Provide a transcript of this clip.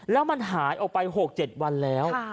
แล้วมันหายออกไป๖๗วันแล้ว